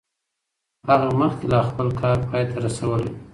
هغه مخکې لا خپل کار پای ته رسولی و.